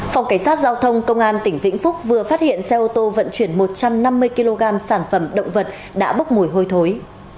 phòng cảnh sát giao thông công an tỉnh vĩnh phúc vừa phát hiện xe ô tô vận chuyển một trăm năm mươi kg sản phẩm động vật đã bốc mùi hôi thối